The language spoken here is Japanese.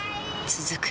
続く